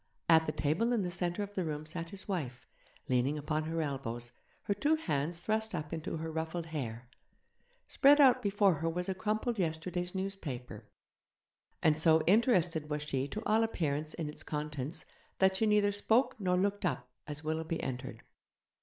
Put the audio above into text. At the table in the centre of the room sat his wife, leaning upon her elbows, her two hands thrust up into her ruffled hair; spread out before her was a crumpled yesterday's newspaper, and so interested was she to all appearance in its contents that she neither spoke nor looked up as Willoughby entered.